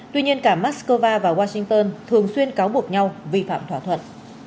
tuy nhiên cả moscow và washington thường xuyên cáo buộc nhau vi phạm thỏa thuận